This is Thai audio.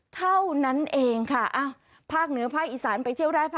เท่านั้นเองค่ะ